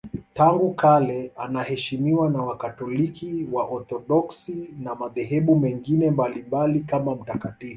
Tangu kale anaheshimiwa na Wakatoliki, Waorthodoksi na madhehebu mengine mbalimbali kama mtakatifu.